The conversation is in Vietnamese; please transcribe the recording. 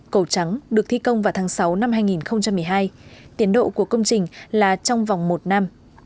cầu trắng được thi công vào tháng sáu năm hai nghìn một mươi hai tiến độ của công trình là trong vòng một năm